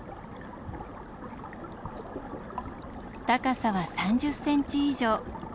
高さは３０センチ以上。